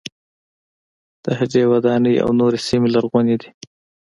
د هډې وداني او نورې سیمې لرغونې دي.